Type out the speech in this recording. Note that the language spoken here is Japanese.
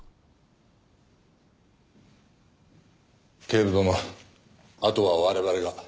警部殿あとは我々が。